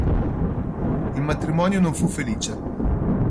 Il matrimonio non fu felice.